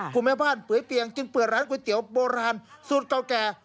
แม่บ้านเปื่อยเปียงจึงเปิดร้านก๋วยเตี๋ยวโบราณสูตรเก่าแก่